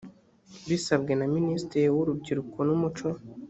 bisabwe na minisitiri w urubyiruko n umuco